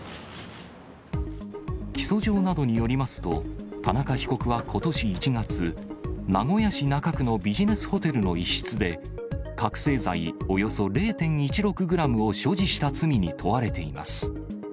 起訴状などによりますと、田中被告はことし１月、名古屋市中区のビジネスホテルの一室で、覚醒剤およそ０．１６グラムを所持した罪に問われています。